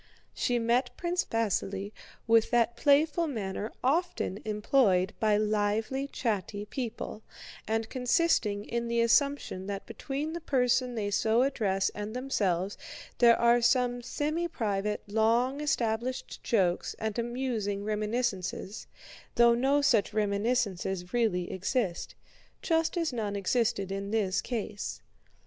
She met Prince Vasíli with that playful manner often employed by lively chatty people, and consisting in the assumption that between the person they so address and themselves there are some semi private, long established jokes and amusing reminiscences, though no such reminiscences really exist—just as none existed in this case.